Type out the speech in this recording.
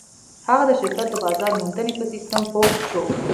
هغه د شرکت د بازار موندنې په سيسټم پوه شو.